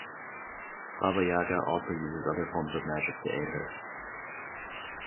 Baba Yaga also uses other forms of magic to aid her.